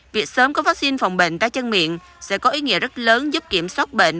việc sớm có vaccine phòng bệnh tay chân miệng sẽ có ý nghĩa rất lớn giúp kiểm soát bệnh